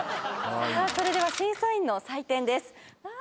それでは審査員の採点です。